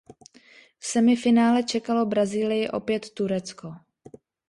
V semifinále čekalo Brazílii opět Turecko.